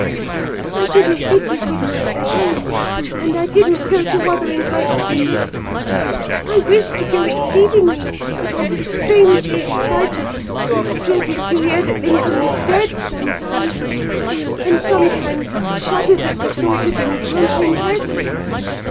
"I didn't bid you good night that evening, and I didn't go to Wuthering Heights the next: I wished to go exceedingly; but I was strangely excited, and dreaded to hear that Linton was dead, sometimes; and sometimes shuddered at the thought of encountering Hareton.